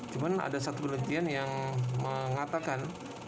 cuma ada satu penelitian yang mengatakan